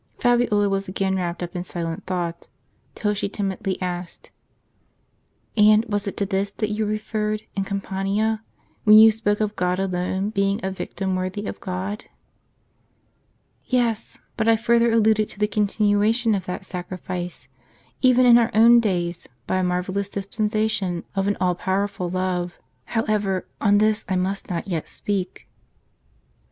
Fabiola was again wrapped up in silent thought, till she timidly asked :" And was it to this that you referred in Campania, when you spoke of God alone being a victim worthy of God ?" "Yes; but I further alluded to the continuation of that sacrifice, even in our own days, by a marvellous dispensation of an all powerful love. However, on this I must not yet speak."